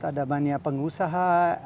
ada banyak pengusaha